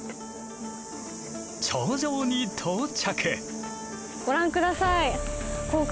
頂上に到着。